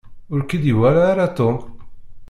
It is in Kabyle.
Ur k-id-iwala ara Tom.